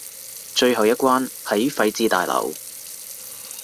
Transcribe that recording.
最後一關喺廢置大樓